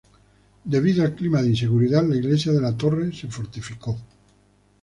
Debido al clima de inseguridad, la iglesia de la Torre se fortificó.